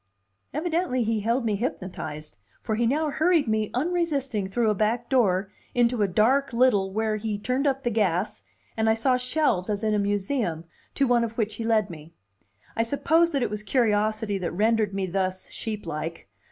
Evidently he held me hypnotized, for he now hurried me unresisting through a back door into a dark little where he turned up the gas, and I saw shelves as in a museum, to one of which he led me. I suppose that it was curiosity that rendered me thus sheep like.